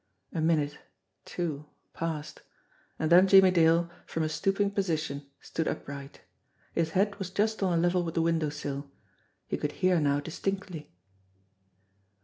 A minute, two, passed and then Jimmie Dale, from a stooping position, stood upright. His head was just on a level with the window sill. He could hear now distinctly.